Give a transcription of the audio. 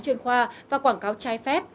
chuyên khoa và quảng cáo trái phép